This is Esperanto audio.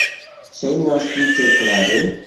Ŝajnas tute klare.